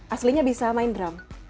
aslinya bisa main drum